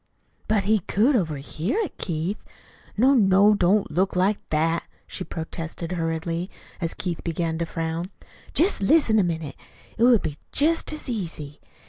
"But he could overhear it, Keith. No, no, don't look like that," she protested hurriedly, as Keith began to frown. "Jest listen a minute. It would be jest as easy.